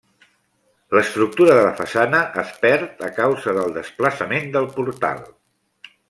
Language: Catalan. L'estructura de la façana es perd a causa del desplaçament del portal.